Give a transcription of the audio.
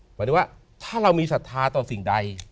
หมายถึงว่าถ้าเรามีศรัทธาต่อสิ่งใด